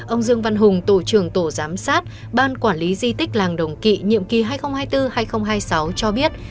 ông dương văn hùng tổ trưởng tổ giám sát ban quản lý di tích làng đồng kỵ nhiệm kỳ hai nghìn hai mươi bốn hai nghìn hai mươi sáu cho biết